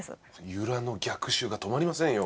由良の逆襲が止まりませんよ。